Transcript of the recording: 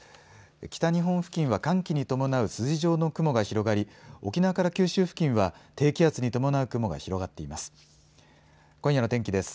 北日本付近は寒気に伴う筋状の雲が広がり沖縄から九州付近は低気圧に伴う雲が広がっています。